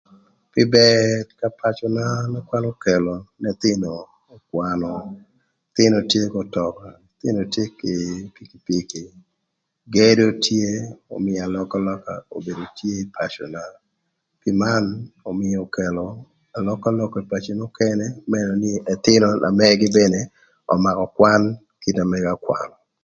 Pï bër ka pacöna na kwan okelo n'ëthïnö ökwanö, ëthïnö tye k'ötöka, ëthïnö tye kï pikipiki, gedo tye, ömïö alökalöka obedo tye ï pacöna. Pï man ömïö okelo alökalöka ï peci nökënë më nënö nï ëthïnö na megi bene ömakö kwan kita mëga ökwanö.